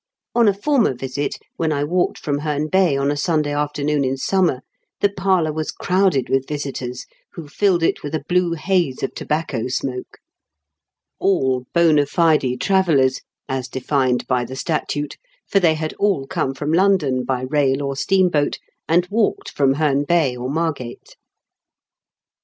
On a former visit, when I walked from Heme Bay on a Sunday afternoon in summer, the parlour was crowded with visitors, who filled it with a blue haze of tobacco smoke — all ^^hond fde travellers," as defined by the statute, for they VIEW FROM MOUNT PLEASANT. 303 had all come from London by rail or steam boat, and walked from Heme Bay or Margate.